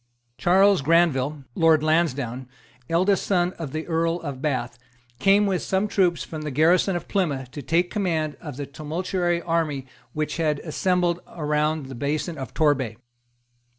Charles Granville, Lord Lansdowne, eldest son of the Earl of Bath, came with some troops from the garrison of Plymouth to take the command of the tumultuary army which had assembled round the basin of Torbay.